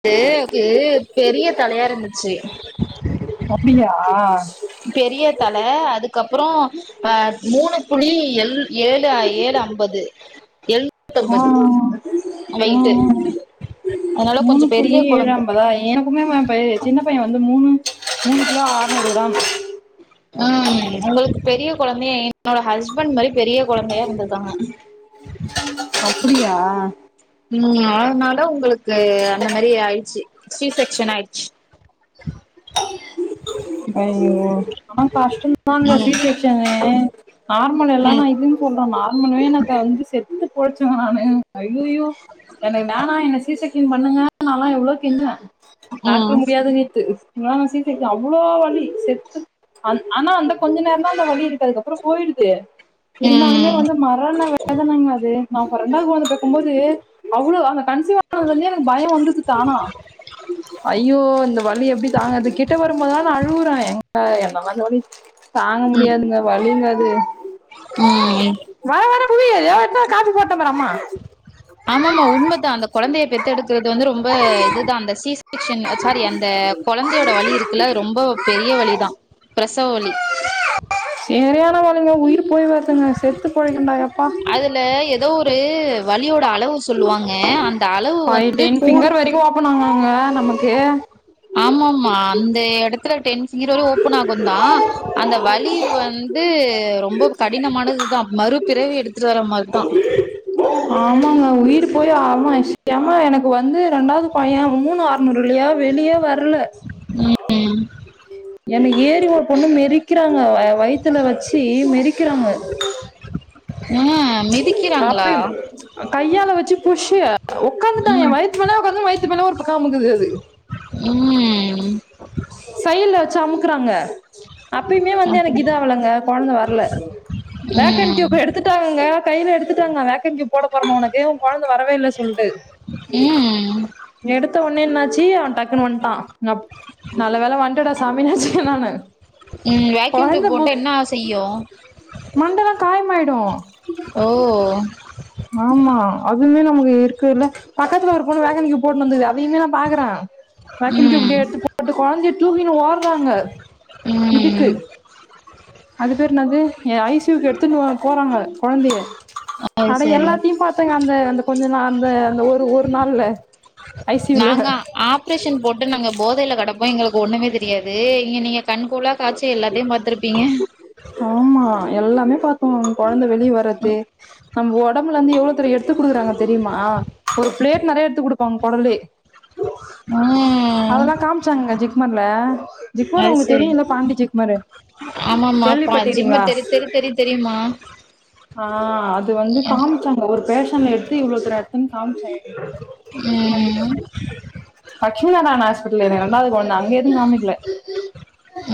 அது எனக்கு பெரிய தலயா இருந்துச்சு அப்டியா ஆ பெரிய தலை அதுக்கப்புறம் அ மூணு புள்ளி எல் ஏழு ஏழு அம்பது எ ஆஆ ஆஆ ஆஆ அதனால மூணு கொஞ்சோ பெரிய புள்ளி ஏழு கொழந்த அம்பதா எனக்குமே அவன் பை சின்ன பையன் வந்து மூணு மூணு புள்ளி ஆற்ஐமபது தான் இருந்துச்சு ம் உங்களுக்கு பெரிய கொழந்தையா என்னோட ஹஸ்பண்ட் மாரி பெரிய கொழந்தையா இருந்திருக்காங்க அப்டியா ம் அதனால உங்களுக்கு அந்த மாரி ஆயிடுச்சு சி செக் ஷன் ஆயிடுச்சு ஐய்யயோ ஆனா கஷ்டம் தாங்க ம் சீட்டு வச்சேங்க நார்மல் எல்லாம் ம் தான் இதுன்னு சொல்றேன் நார் [unintelligible] எனக்கு வந்து செ எப்டி போச்சுங்க நானு ஐய்யயோ எனக்கு வேணா என்ன சீசை தின் பண்ணுங்க நாலா எவ்ளோ தின்னுவே டாக்டர் ம் முடியாதுனித்து முலா நாசி சிக் அவ் அவ்ளோ வலி செத்து அன் ஆனா அந்த கொஞ்ச நேரோ தா அந்த வலி இருக்கதுக்கு அதுக்புறோ போயிடுது இருந்தாலுமே வந்து மரண்ண வேதனங்க அது நாங்கரெண்டாவது கொழந்த பெக்கும் போது அவ்வளவு அது கன்சீவ் ஆனதிலிருந்து எனக்கு பயம் வந்தது தானா ஐயோ இந்த வலி எப்டி தாங்கிறது கிட்ட பத நாள் அழுவுற எங்க என்னதா தோழி தாங்க ம் முடியாதுங்க வலிங்க அ ம் எங் புரிய எதோ எத் காபி போட்டம் பாரு அம்மா ஆமாஆமா உண்மதா அந்த கொழந்தைய பெத்தெடுக்குறது வந்து ரொம்ப இதுதா அந்த சி செக்சன் சாரி அந்த கொழந்தையோட வலி இருக்குல ரொம்ப பெரிய வலிதா பிரசவ வலி சரியான வலிங்க உயிர்ப் போய் வருதுங்க செத்து பொழிக்கண்டாயப்பா அதுல ஏதோ ஒரு வழியோட அளவு சொல்லுவாங்க அந்த அளவு ஃபைவ் வந்து கூடு அது ஆமா ஆமா அந்த எடத்துல டென் கிறளவு ஓப்பன் ஆகு தா அந்த வலி வந்து ரொம்ப கடினமானதுதா மறுபிறவி எடுத்துட்டு வர மாரிதா எம்மா எனக்கு வந்து ரெண்டாவது பைய மூணு அறுநூறு இல்லியா வெளியே வர வர்ல ம். என்ன ஏறி ஒரு பொண்ணு மெறிக்கிறாங்க வயித்துல வச்சு மிறிக்கிறாங்க ம். மிதிக்கிறாங்களா? அப்ப கையால வச்சு புஷு உடக்காந்துட்டா எ ம். வயத்து மேல உக்காந்து வயத்து மேல ஒரு பக்கம் அமுக்குது அது ம். சைடுல்ல வச்சு அமுக் இருக்குறாங்க அப்பயுமே வந்து எனக்கு அப்புறம் இதாவளங்க கொழந்த வரல வேக்கண் ம். டியூப் எடுத்துட்டாங்கங்க கைலஎடுத்துட்டாங்க வேகன்யுப் போட போறம உனக்கு ஒ கொழந்தை வரவே இல்ல சொல்ட்டு ம் எடுத்த ஒன்னே என்னாச்சு அவெ டக்குன்னு வன்டா நப் நல்ல வேல வந்டடா சாமி நெனச்சேன்நானு ம் வேக்யூம் டியூப் கொழந்தை போட்டா முக்கு என்ன செய்யு மண்டெல்லா காயமாயிடு ஓ ஆமா அது நமக்கு இருக்கு இல்ல பக்கத்துல ஒரு பொண்ணு வேக்கண் டியூப் போட்டுட்டு இருந்துது அதையுமே நா பாக்குறேன் வக்கண்டியூப் ம் அப்டி எடுத்து போட்டு கொழந்தையை தூக்கினு ஓடுறாங்க ம் இதுக்கு அது பேர் என்னது ஐ சி யுக்கு எடுத்து போறாங்க கொழந்தைய அது அடா சரி எல்லாத்தையும் பாத்தேங்க அந்த அந்த கொஞ்ச நாள் அந்த அந்த ஒரு ஒரு நாள்ல ஐ சி யூல நாங்க ஆப்ரேஷன் போட்டு நாங்க போதையில கெடப்போ எங்களுக்கு ஒண்ணுமே தெரியாது இங்க நீங்க கண் கொள்ளா காட்சி எல்லாத்தையும் பாத்திருப்பீங்க ஆமா எல்லா எல்லாமே பாத்தோம் கொழந்த வெளிய வரது நம்ம உடம்புல இருந்து எவ்ளோ தர எடுத்து குடுக்குறாங்க தெரியுமா ஒரு பிளேட் நெறைய எடுத்து குடுப்பாங்க குடலே ம் அதெல்லாம் காமிச்சாங்க ஜிக்மர்ல ஜிக்மர் அது உங்க தெரியும்ல பாண்டி ஜிக்மரு ஆமா பா கேள்விப்பட்டிறீங்களா ஜிக்மர் தெரி தெரி தெரி தெரியுமா ஆ அது வந்து காமிச்சாங்க ஒருத்த பேஷன்ல எடுத்து இவ்ளோக்கு ரெத்தம்னு காமிச்சாங்க ம் லட்சுமி நாராயணன் ஹாஸ்பிடல் ல என்னோட இண்டாவது கொழந்த அங்க காமிக்கல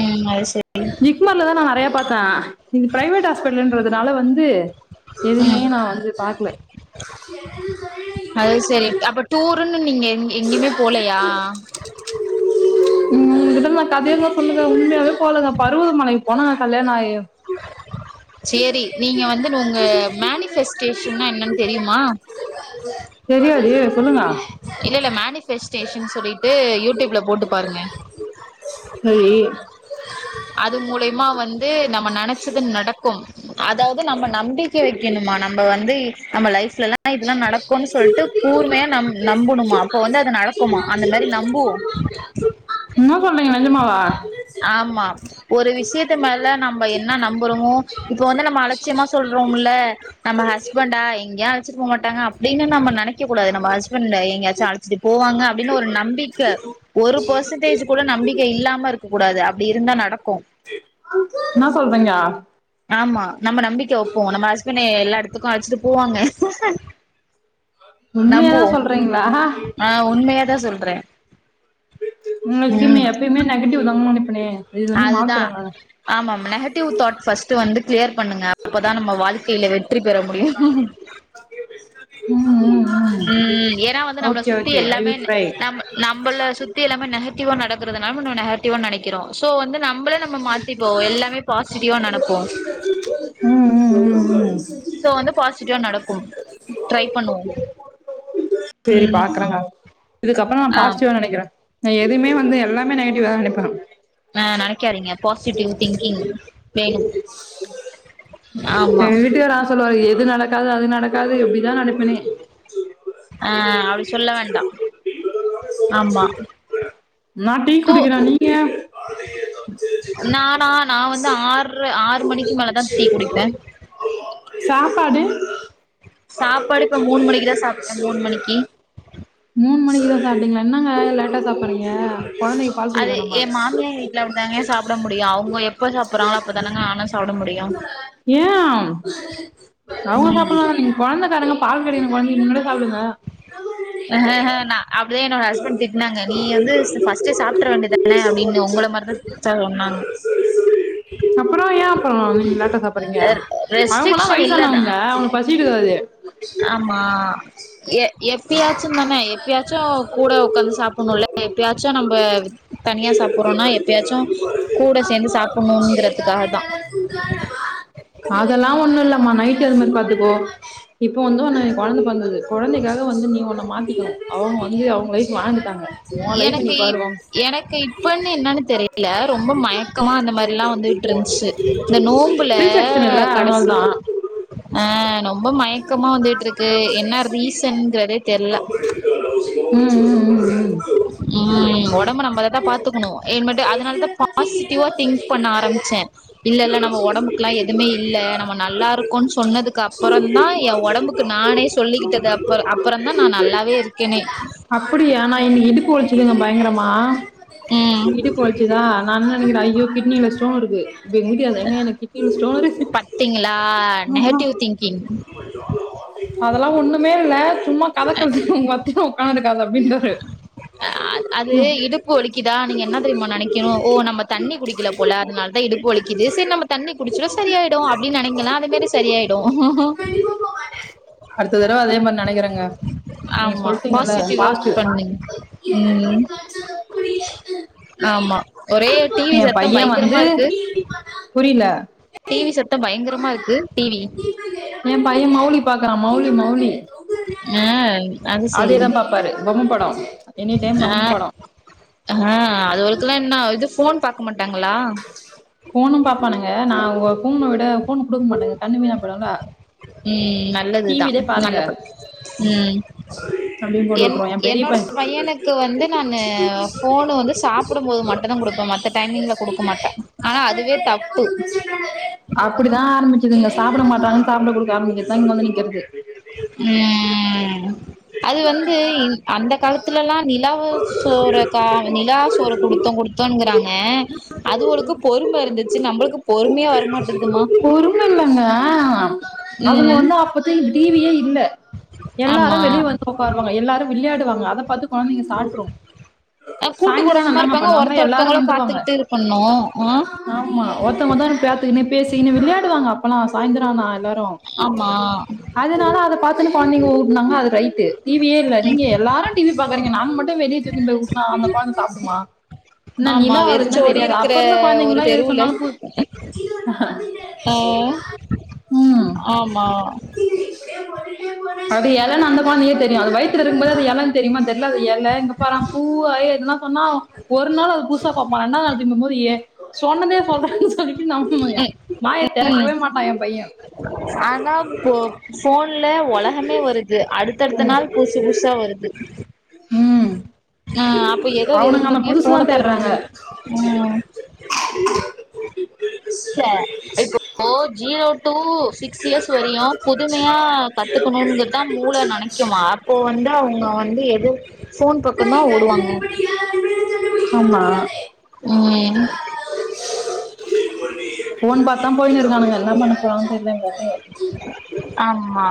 ம் அது செரி பாத்தன் இது பிரைவேட் ஹாஸ்பிட்டல்ன்றதுனால வந் து எதுவுமே ம் நா வந்து பாக்கல னும் நீங்க எங்கயுமே போலையா உன்கிட்ட கதையெல்லாம் சொல்லுவேன் உண்மையாவே [unintelligible] பருவதமலை போனேன் கல்யாணம் ஆகி செரி நீங்க வந்து உங்க மேனிபெஸ்டேஷா என்னன்னு தெரியுமா தெரியாதே சொல்லுங்க இல்ல இல்ல மேனிபெஸ்டேஷன் சொல்லிட்டு யூடியூப்ல போட்டு பாருங்க சரி அது மூலியமா வந்து நம்ம நெனைச்சது நடக்கும் அதாவது நம்ம நம்பிக்கை வைக்கணுமா நம்ம வந்து நம்ம லைஃப் இதெல்லா நடக்கும்ன்னனு சொல்லிட்டு கூர்மையா நம் நம்பணுமா அப்ப வந்து அது நடக்குமா அந்த மாரி நம்புவோ என்ன சொல்றீங்க நெஜமாவா ஆமா ஒரு விஷயத்த மேல நம்ம என்ன நம்புறோமோ இப்ப வந்து நம்ம அலட்சியமா சொல்றோம்ல நம்ம ஹஸ்பண்டா எங்கயா ச்சு போ மாட்டாங்க அப்டின்னு நம்ம நனைக் க கூடாது நம்ம ஹஸ்பண்ட் எங்கயாச்சு அழச்சிட்டு போவாங்க அப்படின்னு ஒரு நம்பிக்க ஒரு பெர்சன்டேஜ் கூட நம்பிக் இல்லாம இருக்க கூடாது அப்டி இருந்தா நடக் என்னா சொல்ரிங்க ஆமா நம்ம நம்பிக்கை ஒப்போமக்ஷ நம்ம ஹஸ்பண்ட் எல்லா எடத்துக்கு அழச்சுட்டு போவாங்க உண்மையாதா நம்புவோ சொல்றீங்களா ஆ உண்மையாதா சொல்றே உனக்கு ம் எப்பையுமே நெகட்டிவ் தம்மா ப்னே அதுதா ஆமா நெஹட்டிவ் தாட்ஸ் ஃபஸ்ட்டு வந்துட் பண்ணுங்க அப்பதா நம்ம வாழ்க்கையில வெற்றி பெற முடியு ம் ம் ம் ஏன்னா வந்து நம்மள ஓகே சுத்தி ஓகே ஐ எல்லாமே வில் ட்ரை நம் நம்மள சுத்தி எல்லாமே நெஹ ட்டிவா நடக்குறதுால நம்ம நெஹடிவா நெனைக்கிறோ சோ வந்து நம்ள ம் நெனப்போ ம் ம் ம் சோ வந்து பாசிட்டிவா நடக்கு ட்ரை பண்ணுவோ செரி ம் பாக்குறேங்க இதுக்கப்புறோ நா ஆ பாசிட்டிவா நினைக்கிறே நா எதுவுமே வந்து எல்லாமே நெகட்டிவா தா நெனைப்பே ஆ நினைக்காரீங்க பாசிட்டிவ் திங்கிங் வேணு ஆமா எங்க வீட்டுக்காரு சொல்லுவாரு எது நடக்காது அது நடக்காது எப்படிதா நெனைப்பனே ஆ அப்டி சொல்ல வேண்டா ஆமா நா டீ து குடிக்கிறே நீங்க நானா நா வந்து ஆறு ஆறு மணிக்கு மேலதா டீ குடிப்பே சாப்பாடு சாப்பாடு இப்ப மூணு மணிக்கு தா சாப்ட்டே மூணு மணிக்கி மூணுமணிக்குதா சாப்டிங்களா என்னங்க லேட் அது வேணாமா என் மாமியர் வீட்ல விந்தாங்க சாப்பிட முடியும் அவுங்க எப்ப சாப்பிடுறாங்களோ அப்பறதானாங்க நானும் சாப்பிட முடி ஏன் அவுங்க சாப்பிட நீங்க குழந்தைக்காரங்க பால் கெடைக்கனும் குழந்தைக்குனுட்டு சாப்பிடுங்க ஆஹஹ நா என்னோட ஹஸ்பண்ட் திட்னாங்க நீ வந்து சாப்ட்டுற வேண்டிதானே அப்படின்னு உங்கள மாரி தான் சொன்னாங்க அப்புறோ ஏ அப்புறோ நீங்க லேட்டா சாப்பறீங்க அவங்கல்லா ரெஸ்ட்ரிகஷன் இல்ல தான் வயசானவங்க அவங்களுக்கு பசி எடுக்காது ஆமா எப்பாச்சும் தானே எப்பயாச்சும் கூட உக்காந்து சாப்பிடணும்ல்ல எப்பயாச்சும் நம்ம தனியா சாப்பிடுறோம்னா எப்பயாச்சும் கூட சேர்ந்து சாப்பிடணும்ங்கிறதுக்காக தான் அதெல்லா ஒண்ணு நைட் அது மாரி பார்த்துக்கோ இப்ப வந்து குழந்தை பொறந்து இருக்கு குழந்தைக்காக வந்து நீ ஒண்ண மாத்திக்கணும் அவூங்க இல்லயே அவுங்களே சாஞ்சுட்டாங்க எனக்கு எனக்கு இப்பன்னு என்னன்னு தெரியல ரொம்ப மயக்கமா அந்த மாதிரி எல்லாம் வந்துட்டு இருந்துச்சு இந்த நோன்ம்புல சி செக்ஷன் இல்ல அதனாலதா கடைசில ஆ ரொம்ப மயக்கமா வந்துட்டு இருக்கு என்ன ரீசன்ங்கிறதே தெர்ல ம் ம் ம் ம் ம் உடம்பு நம்ம தான் பாத்துக்கணும் ஏ மட்டும் அதனாலதான் பாசிட்டிவா திங்க் பண்ண ஆரம்பிச்சேன் இல்ல இல்ல நம்ம உடம்புக்கு எல்லாம் எதுமே இல்லை நம்ம நல்லா இருக்கோன்னு சொன்னதுக்கு அப்புறம் தான் என் உடம்புக்கு நானே சொல்லிக்கிட்டது அப்புறம் அப்புறம் தான் நான் நல்லாவே இருக்கேனே அப்படியா நா இன்னைக்கு இடுப்பு வழிச்சிதுங்க பயங்கரமா ம் [unintelligible] போச்சுதா நான் என்ன நினைக்கிறேன் ஐய்யோ கிட்னில ஸ்டோன் இருக்கு இப்ப முடியாது எங்க எனக்கு கிட்னில ஸ்டோன் இருக்கு பத்தீங்களா நெகட்டிவ் திங்கிங் அதெல்லாம் ஒன்னுமே இல்ல சும்மா கத கடிச்சம் [unintelligible] அது ம், இடுப்பு வலிக்குதா நீங்க என்ன தெரியுமா நெனைக்கனும் ஓ நம்ம தண்ணி குடிக்கல போல அதனால தான் இடுப்பு வலிக்குது செரி நம்ம தண்ணி குடிச்சோம்னா சரி ஆயிடும் அப்டின்னு நெனைக்கலாம் அதே மாரி சரி ஆயிடும் அடுத்த தடவ அதே மாரி நெனைக்குறேங்க ஆமா பாசிட்டிவா ஒர்க் பண்றீங்க ம் ஆமா ஒரே டி வி என் சத்தம் பையன் பயங்கரமா வந்து இருக்கு புரியல டி வி சத்தம் பயங்கரமா இருக்கு டி வி என் பையன் மௌலி பாக்றான் மௌலி மௌலி ஆ அது அதே செரி தான் பாப்பாரு பொம்மை படம் எனி டைம் ஆ பொம்மை படம் அது அவளுக்கெல்லா இன்னு இது ஃபோன் பாக்கமாட் மொவனும் பாப்பானுங்க நா ஒரு பொண்ண விட பொண்ணு குடுக்க மாட்டாங்க தனிமையா பழகுனா ம் நல்லதுதான் நல்ல ப ம் அப்டின்னு போட்டு என் விட்ருவோ பெரிய என்னோட பைய பையனுக்கு வந்து நான்னு ஃபோனு வந்து சாப்படும் போது மட்டும் தான் குடுப்பேன் மத்த டைமிங்ல குடுக்க மாட்டே ஆனா அதுவே தப்பு அப்டிதான் ஆரம்பிச்சதுங்க சாப்பிட மாட்டான்னு சாப்பிட குடுக்க அங்க குடுத்தா இங்க ஒன்னு கேக்குது ம் அது வந்து அந்த காலத்துல எல்லா நிலாவ சோற கா நிலா சோறு குடுத்தோம் குடுத்தோனுன்கிறாங்க அந்த அளவுக்கு பொறும இருந்துச்சி நம்மளுக்கு பொறுமயே வரமாட்டேங்குதுமா பொறும இல்லங்க அவங்க ம் வந்து அப்பத்திக்கு டிவியே இல்ல எல்லா ஆமா வெளிய வந்து உக்காருவங்க எல்லாரும் விளயாட அத பாத்து கொழந்தைங்க சாப்பிட்டுறும் அ கூட்டு சாய்ந்தரம் ஆனா குடும்பமா என்னங்க இருப்பாங்க பண்ணுவாங்க ஒருத்த எல்லாரும் ஒருத்தவங்கள வந்துருவாங்க பாத்துக்கிட்டு இது பண்ணு ஆ ஆமா ஒருத்தர பாத்துன்னே விளையாடுவாங்க அப்பலா சாயந்தோரம் ஆமா அதனால அத பாத்துணு கொழந்தைங்க ஒடுனாங்க ரைட் டிவியே இல்ல நீங்க எல்லாரும் டிவி பாக்கறீங்க நாங்க மட்டும் வெளிய தூக்கி போய் உட்ட அந்த கொழந்த பாவம் சாப்டுமா என்ன ஆமா நீலா அதுக்குன்ன வெறிச்சோடி தெரியாது இருக்கிற அப்பிறந்த ஒரு குழந்தைங்காலாம் எது தெருவுல சொன்னாலும் ஆ ம் ஆமா அது எல ந அந்த தெரியும் அது வயத்துல இருக்கு போதே எலனு தெரியுமா தெரியல அது இல இங்க பாறேன பூ அதுலாம் சொன்னா ஒரு நாள் அது புதுசா பாபான் இண்டாவது நாள் திரும்பும்போது ஏ சொன்னதே சொல்றேன்னு சொல்லி [unintelligible] வாய திறக்கவே மாட்டான் என் பையன் ஆனா போ போன் போன்ல உலகமே வருது அடுத்தடுத்த நாள் புதுசு புதுசா வருது ம் ஆ அப்ப எத அவனுங்க அந்த விரும்புங்க புதுசுதா போன்ன தான் தேட்றாங்க விரும்புங்க ம் இல்ல இப்ப ஜீரோ டூ சிக்ஸ் இயர்ஸ் வரையும் புதுமையா கத்துக்கணுங்கதான் மூளை நினைக்குமா அப்போ வந்து அவங்க வந்து எது போன் பக்கம் தா ஓடுவாங்க ஆமா ம் போன் பாத்து தான் போயினுருக்கனுங்க என்ன பண்ண போறோம்னு தெரிலங்க ஆமா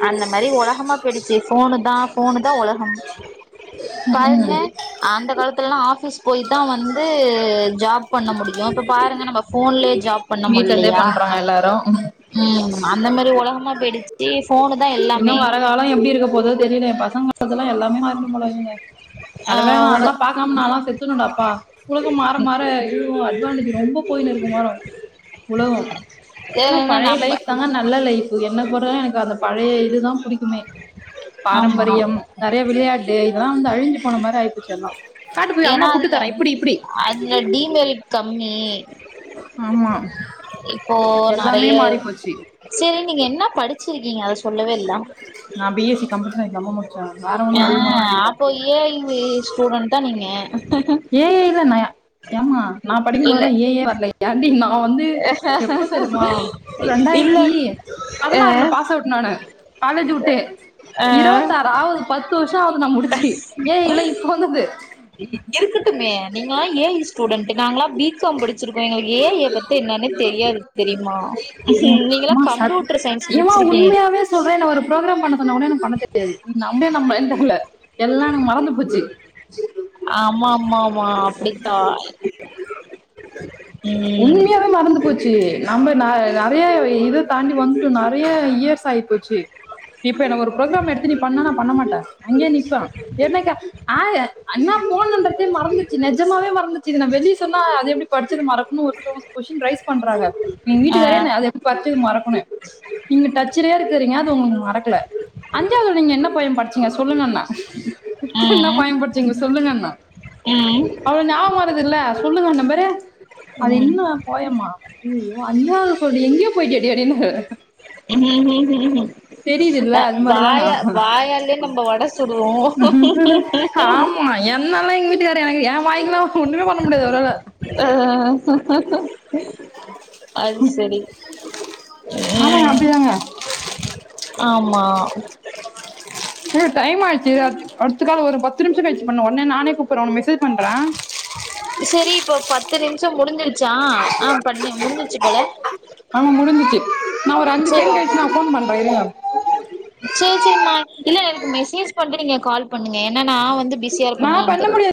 அ அந்த மாரி உலகமா போயிடுச்சு போன்னு தா போணு தான் உலகம் பாருங்க ம் அந்த காலத்துலாம் ஆபீஸ் போய் தா வந்து ஜாப் பண்ண முடியும் இப்ப பாருங்க நம்ம போன்லயே ஜாப் பண்ண வீட்ல இருந்தே முடியலையா பண்றாங்க எல்லாரும் ம் ம் அந்த மாரி உலகமா போயிடுச்சி இன்னும் வர காலோ எப்படி இருக்க போதோ தெரியல பசங்கதெல்லா எல்லாமே மாற போறருக்குங்க. ஆ நல்லவேல உங்க அதெல்லா பாக்காம நாலா செத்துரணுடாப்பா புழுக்கோ மாற மாற இன்னு இனோ எனக் ரொம்ப போய்னுருக்குமா உலகோ ஆனா ஏன்னா பழைய நம்ப லைஃப் தாங்க நல்ல லைஃப்பு என்ன அதுபோற எனக்கு அத பழைய இதுதா புடிக் குமே ஆமா பாரம்பரியம் நெறைய விளையாட்டு இதெல்லா வந்து அழிஞ்சு போன மாதிரி ஆயிட் க்கணு ஏன்னா அதுல அதுல டிமெரிட் கம்மி ஆமா இப்போ எல்லாமே நறைய மாறி போச்சு சரி நீங்க என்னப் படிச்சிருக்கீங்க அத சொ நா பி எஸ்சி கம்ப்யூட்டர் சயின்ஸ் நம்மமட் ஆ அப்போ ஏ ஐ ஸ்டூடெ தா நீங்க ஏ ஐ தா நா ஏ ஏமா நா இல்ல படிக்குபோதுெல்லா ஏ ஐ லா வரல ஏண்டி நா வந்து எப்ப தெரியுமா இல்ல ரெண்டாயிரத்தி பதினாறுல பாஸ் அவுட் நானு காலேஜ் வுட்டு இருவத்தாறு ஆவுது பத்து வர் ஷோ ஆகு நா முடிச்சி ஏ ஐ லா இப்ப வந்தது ம் இருக்கட்டுமே நீங்களா ஏ ஐ ஸ்டூடென்ட் நாங்களா பி காம் படிச் தெரியுமா நீங்கல்லா மா சத் கம்ப்யூட்டர் சயின்ஸ் ஏமா முடிச்சிருக்கீங்க உண்மையாவே சொல்றே என்ன ஒரு ப்ரோக்ராம் பண்ண சொன்னா கூட எனக் பண்ண தெரியாது நீ நம்பளே நம்பரனாலே எல்லா எனக் மறந்து போச்சு சரி ஆமா ஆமா ஆமா அப்டித்தா ம் உண்மையாவே மறந்து போச்சு நம்ம ந நறைய இது தாண்டி வந்துட்டு நறைய இயர்ஸ் ஆயிப்போச்சு இப் இப்ப என்ன ஒரு புரோக்ராம் எடுத்து நீ பண்ணும்னா நா பண்ண மாட்ட அஞ்சே நிமிஷோ என்னக்கா ஆ அண்ணா ஃபோன் நம்பர்க்கே மறந்து நிஜமாவே மறந்துச்சு இதன்னா வெஜி சொல்லா அது எப்டி படிச்சது மறக்கணு ஒரு சிலவங்க கொஷின் ரைஸ் பண்றாங்க எங் வீட்டுக்காரே ஆ என்ன அத எப்டி படிச்சது மறக்கும்ணு நீங்க டச்சுலையே இருக்கறீங்க அது உங்களுக்கு மறக்கல அஞ்சாவுதுல நீங்க என்ன போய படிச்சீங்க சொல்லுங்கனா என்ன ம் போயன்படுச்சிங்க சொல்லுங்கன்னா ம் அவன் ஞாபம் வருதுல சொல்லுங்க நம்பரு அது இன்னும் போயமா இல்லியே ஓ அஞ்சாவது சொல்லி எங்கயே போய்டியேடி அப்டின்னாவ ம் ம் ம் தெரியுதுல்ல அது மாரிதான் வாயா வாயாலே நம்ம வட சுடுவோ ஆமா என்னல்லாம் எங்க வீட்டுக்காரரு எனக்கு என் வாய்க்குலா ஒண்ணுமே பண்ண முடியாது அவரால ஆ அது செரி ஆமாங்க ம் அப்டிதாங்க ஆமா இல்ல டைம் ஆயிடுச்சு அடுத்தக் கால் ஒரு பத்து நிமிஷம் கழிச்சு பண்றேன் உடனே நானே கூப்பிடறன் உனக்கு மெசேஜ் பண்றேன் செரி இப்போ பத்து நிமிஷம் முடிஞ்சிருச்சா ஆ பண்ணிமுடிஞ்சிச்சு போல ஆமா முடிஞ்சிச்சு நா ஒரு அஞ்சு செரி செகண்ட் ஓகே கழிச்சு நா ஃபோன் பண்றே இருங்க செரி செரி மா இல்ல எனக்கு மெசேஜ் பண்றீங்க கால் பண்ணுங்க ஏன்னா நா வந்து பிஸியா நா இருக்கேனானு பண்ண தெரில முடியாது